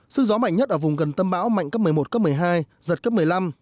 sức gió mạnh nhất ở vùng gần tâm bão mạnh cấp một mươi một cấp một mươi hai giật cấp một mươi năm